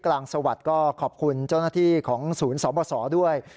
สวัสดิ์ก็ขอบคุณเจ้าหน้าที่ของศูนย์สบสด้วย